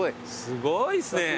すごいっすね。